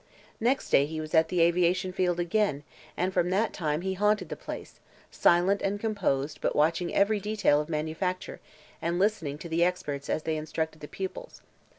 Next day he was at the aviation field again, and from that time he haunted the place, silent and composed but watching every detail of manufacture and listening to the experts as they instructed the pupils.